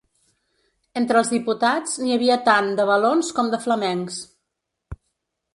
Entre els diputats, n’hi havia tant de valons com de flamencs.